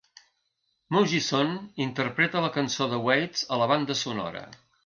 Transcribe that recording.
Mugison interpreta la cançó de Waits a la banda sonora.